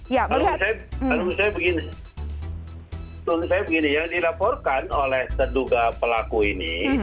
ya kalau misalnya begini yang dilaporkan oleh terduga pelaku ini